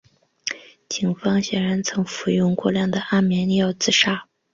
警方显然曾服用过量的安眠药自杀。